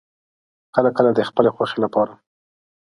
کله کله د خپلې خوښې لپاره